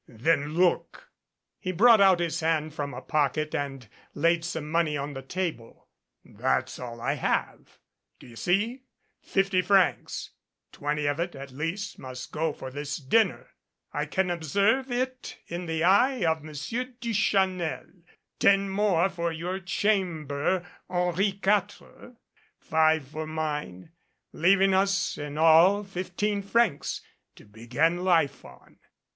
Then look!" He brought out his hand from a pocket and laid some money on the table. "That's all I have, do you see? THE FAIRY GODMOTHER Fifty francs twenty of it at least must go for this din ner I can observe it in the eye of Monsieur Duchanel ten more for your chambre Henri Quatre five for mine leaving us in all fifteen francs to begin life on.